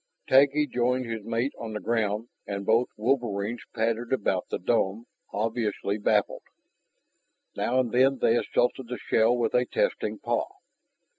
Taggi joined his mate on the ground and both wolverines padded about the dome, obviously baffled. Now and then they assaulted the shell with a testing paw.